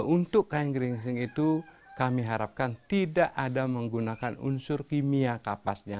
untuk kain geringsing itu kami harapkan tidak ada menggunakan unsur kimia kapasnya